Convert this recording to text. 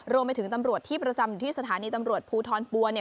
รวมไปถึงตำรวจที่ประจำอยู่ที่สถานีตำรวจภูทรปัวเนี่ย